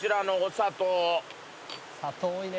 「砂糖多いね」